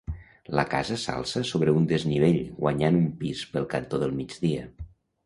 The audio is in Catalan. La casa s'alça sobre un desnivell, guanyant un pis pel cantó del migdia.